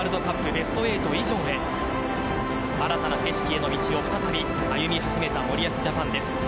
ベスト８以上へ新たな景色への道を再び歩み始めた森保ジャパンです。